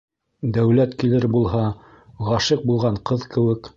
Дәүләт килер булһа, ғашиҡ булған ҡыҙ кеүек